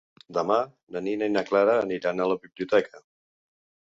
Demà na Nina i na Clara aniran a la biblioteca.